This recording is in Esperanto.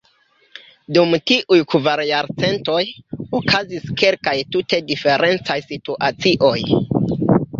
Dum tiuj kvar jarcentoj, okazis kelkaj tute diferencaj situacioj.